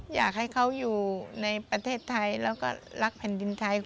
อยากให้เขาอยู่ในประเทศไทยแล้วก็รักแผ่นดินไทย